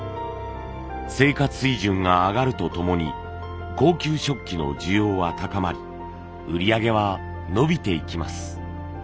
生活水準が上がるとともに高級食器の需要は高まり売り上げは伸びていきます。